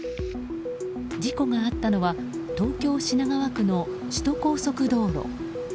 事故があったのは東京・品川区の首都高速道路。